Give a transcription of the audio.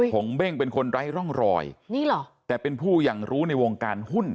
งเบ้งเป็นคนไร้ร่องรอยนี่เหรอแต่เป็นผู้อย่างรู้ในวงการหุ้น